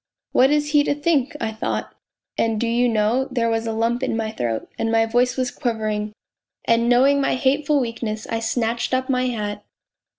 ' What is he to think ?' I thought ; and do you know, there was a lump in my throat, and my voice was quivering, and knowing my hateful weakness, I snatched up my hat.